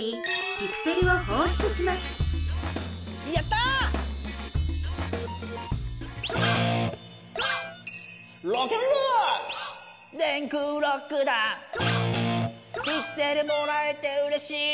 「ピクセルもらえてうれしいな」